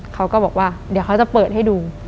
เขาก็บอกว่าเดี๋ยวเขาจะเปิดให้ดู